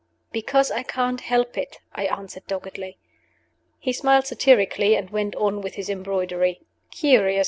"Because I can't help it," I answered, doggedly. He smiled satirically, and went on with his embroidery. "Curious!"